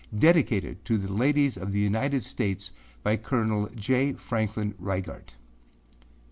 Dedicated to the Ladies of the United States by Col. J. Franklin Reigart.